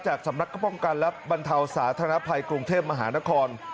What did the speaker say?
สำนักก็ป้องกันและบรรเทาสาธารณภัยกรุงเทพมหานคร